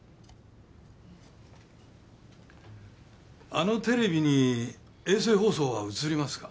あのテレビに衛星放送は映りますか？